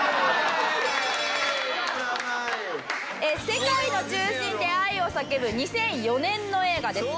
『世界の中心で、愛をさけぶ』２００４年の映画です。